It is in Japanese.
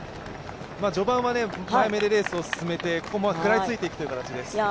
序盤ははやめにレースを進めて、本番、食らいついていくという形です。